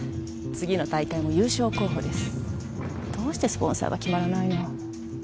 次の大会も優勝候補ですどうしてスポンサーが決まらないの？